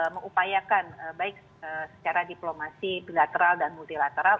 mengupayakan baik secara diplomasi bilateral dan multilateral